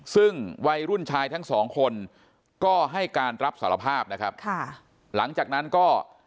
ซึ่งวัยรุ่นชายทั้งสองคนก็ให้การรับสารภาพนะครับค่ะหลังจากนั้นก็